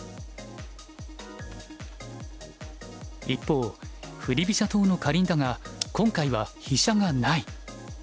一方振り飛車党のかりんだが今回は飛車がない。